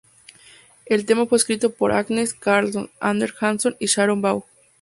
El tema fue escrito por Agnes Carlsson, Anders Hansson y Sharon Vaughn.